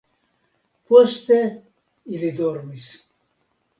Poste ili dormis.